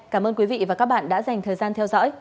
cảm ơn quý vị và các bạn đã dành thời gian theo dõi